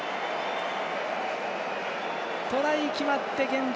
トライ決まって、現状